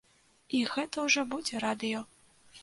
І гэта ўжо будзе радыё.